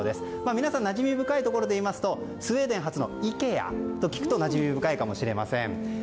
皆さんのなじみ深いところで言いますとスウェーデン発のイケアと聞くとなじみ深いかもしれません。